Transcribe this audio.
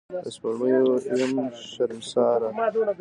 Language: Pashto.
د سپوږمۍ یم شرمساره